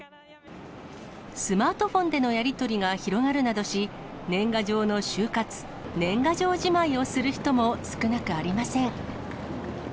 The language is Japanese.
スマートフォンでのやり取りが広がるなどし、年賀状の終活、年賀状じまいをする人も少なくありません。